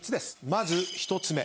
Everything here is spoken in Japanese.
まず１つ目。